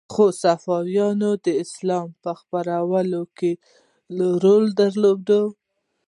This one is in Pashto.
خو صوفیانو د اسلام په خپرولو کې رول درلود